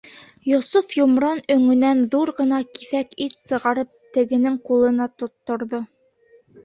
Йософ йомран оңөнән ҙур ғына киҫәк ит сығарып тегенең ҡулына тотторҙо.